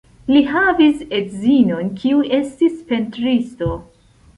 Li havis edzinon, kiu estis pentristo.